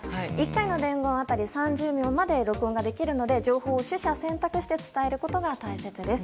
１回の伝言当たり３０秒まで録音ができるので情報を取捨選択して伝えることが大切です